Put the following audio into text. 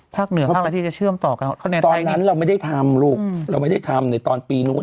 เหนือภาคประเทศจะเชื่อมต่อกันตอนนั้นเราไม่ได้ทำลูกเราไม่ได้ทำในตอนปีนู้น